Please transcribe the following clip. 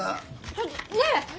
ちょっとねえ！